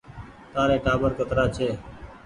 تآري ٽآٻر ڪترآ ڇي ۔